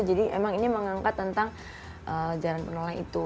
jadi emang ini mengangkat tentang jalan penoleh itu